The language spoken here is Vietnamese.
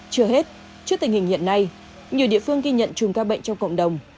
chưa hết trước tình hình hiện nay nhiều địa phương ghi nhận chùm ca bệnh trong cộng đồng